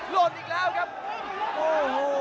โลดอีกแล้วกับโอ้โห